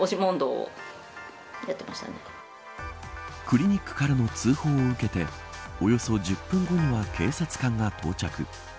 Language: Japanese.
クリニックからの通報を受けておよそ１０分後には警察官が到着。